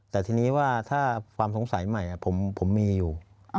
แต่ทีนี้ว่าถ้าความสงสัยใหม่ผมมีอยู่